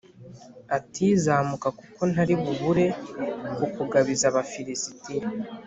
ati “Zamuka kuko ntari bubure kukugabiza Abafilisitiya.”